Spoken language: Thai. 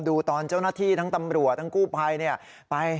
ดูตอนเจ้าหน้าที่ทั้งตำรวจทั้งกู้ภัยไป